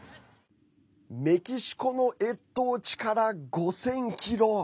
メキシコの越冬地から５０００ｋｍ。